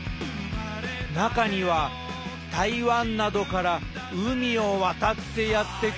中には台湾などから海を渡ってやって来るものもいます